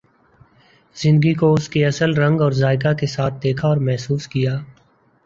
زندگی کو اس کے اصل رنگ اور ذائقہ کے ساتھ دیکھا اور محسوس کیا